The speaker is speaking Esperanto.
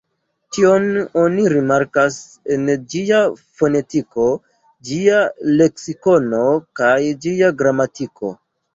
Tion oni rimarkas en ĝia fonetiko, ĝia leksikono kaj ĝia gramatiko.